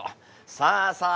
さあさあ